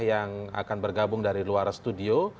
yang akan bergabung dari luar studio